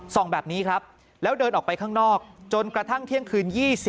แบบนี้ครับแล้วเดินออกไปข้างนอกจนกระทั่งเที่ยงคืน๒๐